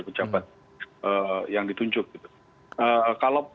kejabat yang ditunjuk gitu